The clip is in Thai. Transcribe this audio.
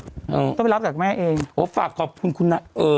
เออต้องไปรับจากแม่เองโอ้ฝากขอบคุณคุณเอ่อ